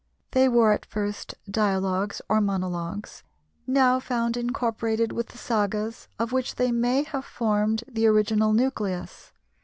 They were at first dialogues or monologues, now found incorporated with the sagas, of which they may have formed the original nucleus.